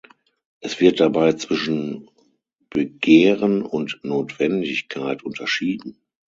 Es wird dabei zwischen Begehren und Notwendigkeit unterschieden.